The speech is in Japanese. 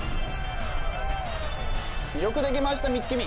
よくできましたミュッキミ！